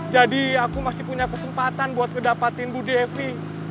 jadi aku masih punya kesempatan buat kedapatin bu devi